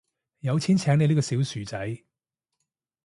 有錢請你呢個小薯仔